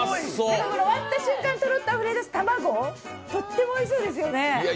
割った瞬間とろっとあふれ出す卵、とってもおいしそうですよね？